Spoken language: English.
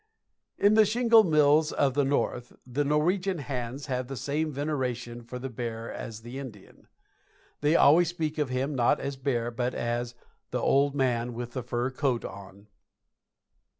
In the shingle mills of the North the Norwegian hands have the same veneration for the bear as the Indian. They always speak of him not as a bear, but as "the old man with the fur coat on."